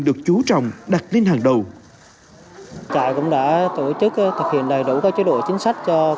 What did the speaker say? được chú trọng đặt lên hàng đầu trại cũng đã tổ chức thực hiện đầy đủ các chế độ chính sách cho